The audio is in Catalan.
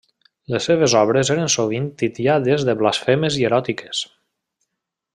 Les seves obres eren sovint titllades de blasfemes i eròtiques.